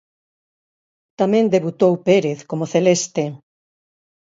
Tamén debutou Pérez como celeste.